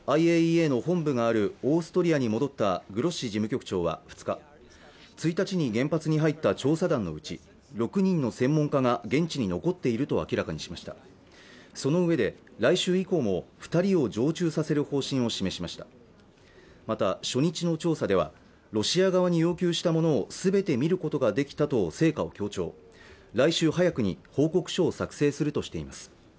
ＩＡＥＡの本部があるオーストリアに戻ったグロッシ事務局長は２日１日に原発に入った調査団のうち６人の専門家が現地に残っていると明らかにしましたそのうえで来週以降も二人を常駐させる方針を示しましたまた初日の調査ではロシア側に要求した者をすべて見ることができたと成果を強調来週早くに報告書を作成するとしています